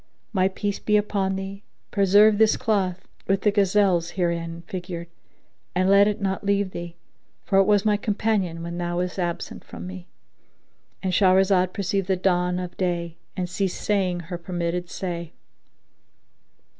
My peace be upon thee; preserve this cloth with the gazelles herein figured and let it not leave thee, for it was my companion when thou was absent from me;"—And Shahrazad perceived the dawn of day and ceased saying her permitted say.